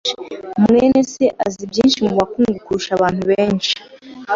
mwene se azi byinshi mubukungu kurusha abantu benshi.